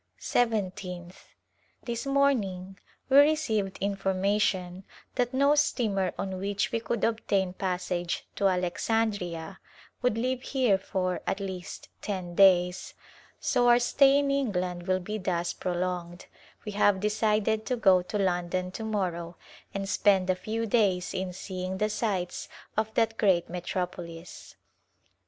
Seventeenth. This morning we received information that no steamer on which we could obtain passage to Alex andria would leave here for, at least, ten days ; so, as our stay in England will be thus prolonged, we have decided to go to London to morrow and spend a few days in seeing the sights of that great metropolis.